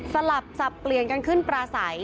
สลับสับเปลี่ยนกันขึ้นปลาใส